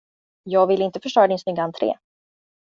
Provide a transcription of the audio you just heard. Jag ville inte förstöra din snygga entré.